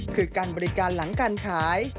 คือการบริการหลังการขาย